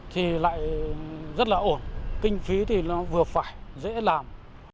thì lại rất là ổn kinh phí thì nó vừa phải dễ làm